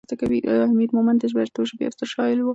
حمید مومند د پښتو ژبې یو بل ستر شاعر دی.